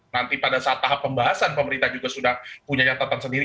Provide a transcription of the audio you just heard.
nanti pada saat tahap pembahasan pemerintah juga sudah punya catatan sendiri